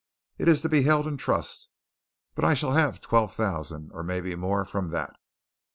It is to be held in trust, but I shall have twelve thousand or maybe more from that.